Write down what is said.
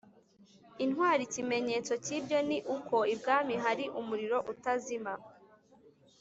intwari ikimenyetso k’ibyo ni uko i bwami hari umuriro utazima